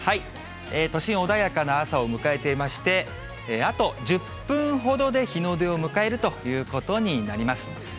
都心、穏やかな朝を迎えていまして、あと１０分ほどで日の出を迎えるということになります。